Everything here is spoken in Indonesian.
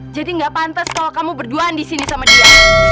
jadi gak pantes kalo kamu berduaan disini sama dia